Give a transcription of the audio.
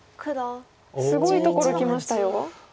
すごいところきましたよ。